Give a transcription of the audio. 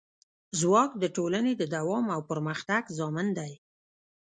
ځواک د ټولنې د دوام او پرمختګ ضامن دی.